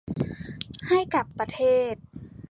ให้กับประเทศ